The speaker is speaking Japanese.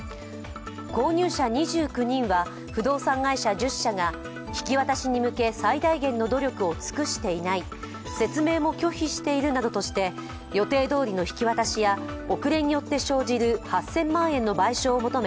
購入者２９人は不動産会社１０社が引き渡しに向け最大限の努力を尽くしていない、説明も拒否しているなどとして、予定どおりの引き渡しや遅れによって生じる８０００万円の賠償を求め